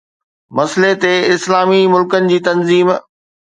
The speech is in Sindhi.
مسئلي تي اسلامي ملڪن جي تنظيم